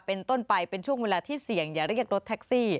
เป็นต้นไปเป็นช่วงเวลาที่เสี่ยงอย่าเรียกรถแท็กซี่